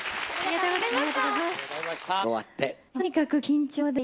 ありがとうございます。